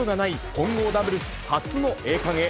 混合ダブルス初の栄冠へ。